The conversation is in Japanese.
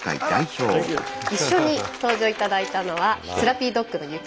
一緒に登場頂いたのはセラピードッグのゆきのすけです。